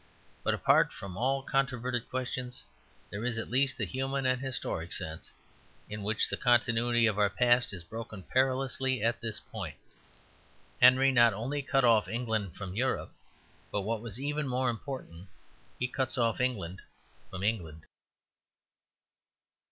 But apart from all controverted questions, there is at least a human and historic sense in which the continuity of our past is broken perilously at this point. Henry not only cut off England from Europe, but what was even more important, he cuts off England from England.